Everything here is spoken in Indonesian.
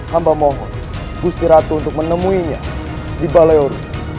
hamba mohon gusti ratu untuk menemuinya di balaiori